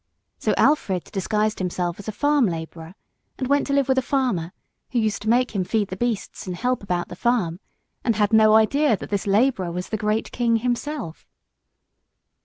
So Alfred disguised himself as a farm labourer, and went to live with a farmer, who used to make him feed the beasts and help about the farm, and had no idea that this labourer was the great King himself.